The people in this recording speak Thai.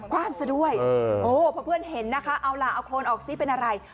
ว่างซะด้วยโอ้พอเพื่อนเห็นนะคะเอาล่ะเอาโครนออกซิเป็นอะไร